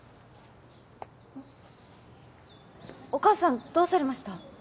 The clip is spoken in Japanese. お母さんどうされました？